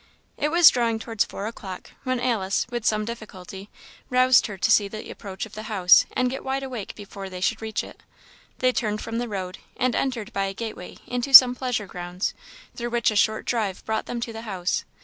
It was drawing towards four o'clock, when Alice, with some difficulty, roused her to see the approach to the house, and get wide awake before they should reach it. They turned from the road, and entered by a gateway into some pleasure grounds, through which a short drive brought them to the house.